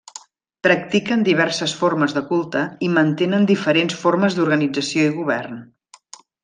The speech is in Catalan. Practiquen diverses formes de culte i mantenen diferents formes d'organització i govern.